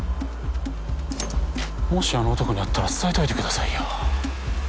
もしあの男に会ったら伝えておいてくださいよ。